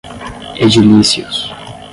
edilícios